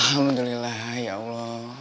alhamdulillah ya allah